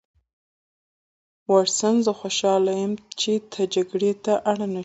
واټسن زه خوشحاله یم چې ته جګړې ته اړ نشوې